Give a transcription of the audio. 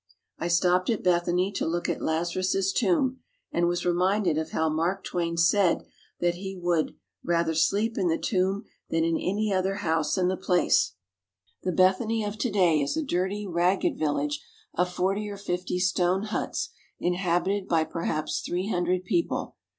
I stopped at Bethany to look at Lazarus's tomb, and was reminded of how Mark Twain said that he would " rather sleep in the tomb than in any other house in the 123 THE HOLY LAND AND SYRIA place/' The Bethany of to day is a dirty, ragged village of forty or fifty stone huts inhabited by perhaps three hundred people.